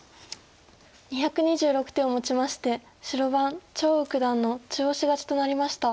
２２６手をもちまして白番張栩九段の中押し勝ちとなりました。